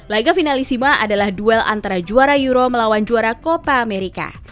laga finalissima adalah duel antara juara euro melawan juara copa america